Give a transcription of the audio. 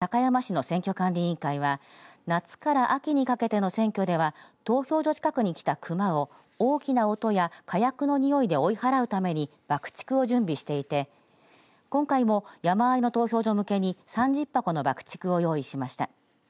クマは今の時期、冬眠前にえさを求めて活発に動くことから山間部が多い高山市の選挙管理委員会では夏から秋にかけての選挙では投票所近くにきたクマを大きな音や火薬のにおいで追い払うために爆竹を準備していて今回も山あいの投票所向けに３０箱の爆竹を用意しました。